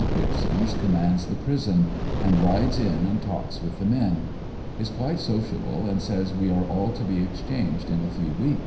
Piersons com mands the prison, and rides in and talks with the men. Is quite sociable, and says we are all to be excha^iged in a few wee